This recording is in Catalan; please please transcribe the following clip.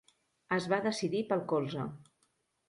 Es va decidir pel colze.